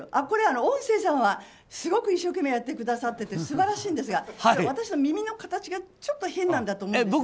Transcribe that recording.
これ、音声さんはすごく一生懸命やってくださってて素晴らしいんですが私の耳の形がちょっと変なんだと思います。